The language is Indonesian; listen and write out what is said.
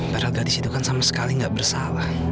padahal gadis itu kan sama sekali nggak bersalah